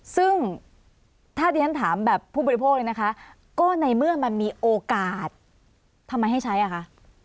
ซึ่งถ้าที่ฉันถามแบบผู้บริโภคเลยนะคะก็ในเมื่อมันมีโอกาสทำไมให้ใช้อ่ะคะ